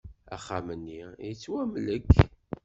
Axxam-nni yettwamlek.